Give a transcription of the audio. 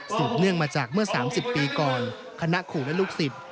เนื่องมาจากเมื่อ๓๐ปีก่อนคณะครูและลูกศิษย์